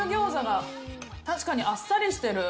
確かにあっさりしてる。